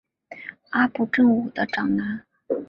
阿部正武的长男。